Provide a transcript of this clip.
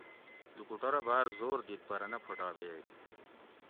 لوکوٹورہ باۤر زور دِت پرہ نہ پھوٹابیگ